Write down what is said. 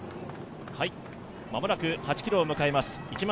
間もなく８ｋｍを迎えます。